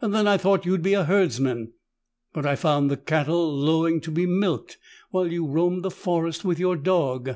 Then I thought you would be a herdsman, but I found the cattle lowing to be milked while you roamed the forest with your dog.